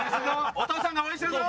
お父さんが応援してるぞ。